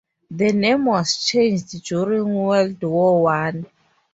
The name was changed during World War One.